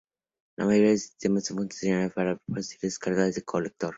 La mayoría son sistemas de puntos diseñados para producir descargas de colector.